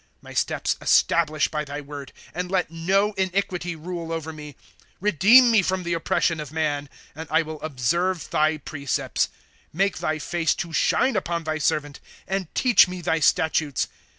' My steps establish by thy word, And let no iniquity rule over me. ' Redeem me from the oppression of man; And I will observe thy precepts. ' Make thy face to shine upon thy servant, And teach me thy statutes.